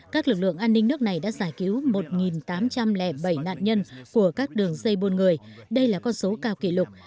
đại sứ nga đã giải cứu một tám trăm linh bảy nạn nhân của các đường dây buôn người đây là con số cao kỷ lục